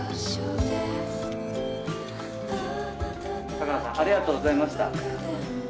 香川さんありがとうございました。